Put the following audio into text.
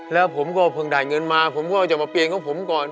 แล้วผมก็เพิ่งได้เงินมาผมก็จะมาเปลี่ยนของผมก่อน